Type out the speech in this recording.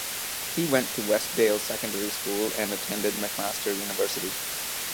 He went to Westdale Secondary School, and attended McMaster University.